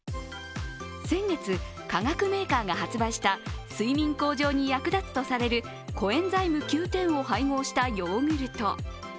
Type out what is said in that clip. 先月、化学メーカーが発売した睡眠向上に役立つとされるコエンザイムＱ１０を配合したヨーグルト。